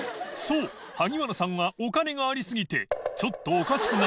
修萩原さんはお金がありすぎて磴